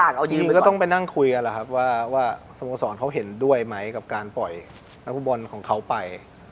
คือมันก็ต้องไปนั่งคุยกันแหละครับว่าสโมสรเขาเห็นด้วยไหมกับการปล่อยนักฟุตบอลของเขาไป